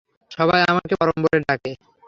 সবাই আমাকে পরম বলে ডাকে।